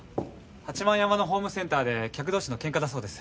八幡山のホームセンターで客同士の喧嘩だそうです。